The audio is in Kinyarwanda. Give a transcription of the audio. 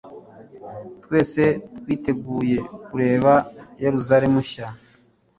twese twiteguye kurebe yerusalemu nshya